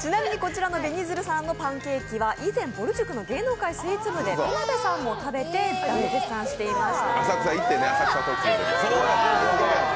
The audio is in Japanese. ちなみに、こちらの紅鶴さんのパンケーキは、ぼる塾の芸能界スイーツ部で田辺さんも食べて、絶賛していました。